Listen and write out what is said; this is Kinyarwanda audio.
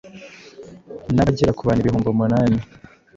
n’abagera ku bantu ibihumbi umunani